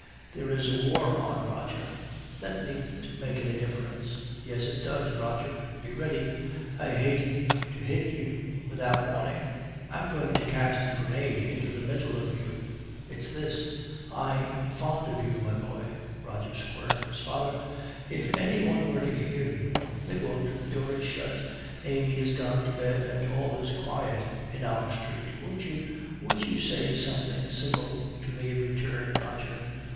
'There is a war on, Roger.' 'That needn't make any difference.' 'Yes, it does. Roger, be ready; I hate to hit you without warning. I'm going to cast a grenade into the middle of you. It's this, I'm fond of you, my boy.' Roger squirms. 'Father, if any one were to hear you!' 'They won't. The door is shut, Amy is gone to bed, and all is quiet in our street. Won't you won't you say something civil to me in return, Roger?'